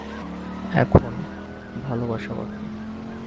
এখন ভালবাসা বাকি।